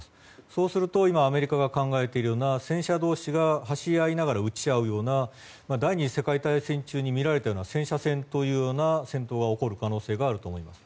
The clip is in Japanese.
そうすると、今、アメリカが考えているような戦車同士が走り合いながら撃ち合うような第２次世界大戦中に見られたような戦車戦という戦闘が起こる可能性があると思います。